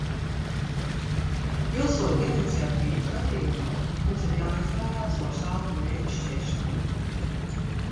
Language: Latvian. Pilsoņu iniciatīvas gadījumā mums ir jāizvairās no šāda veida šķēršļiem.